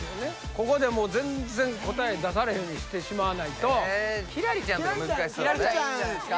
ここでもう全然答え出されへんようにしてしまわないと輝星ちゃんとか難しそうね輝星ちゃんいいんじゃないですか